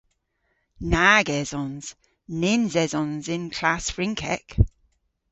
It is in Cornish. Nag esons. Nyns esons y�n klass Frynkek.